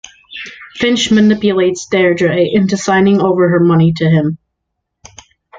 Finch manipulates Deirdre into signing over her money to him.